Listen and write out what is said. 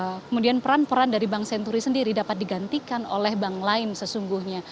dan kemudian peran peran dari bank senturi sendiri dapat digantikan oleh bank lain sesungguhnya